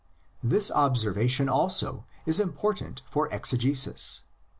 This observation also is important for exegesis.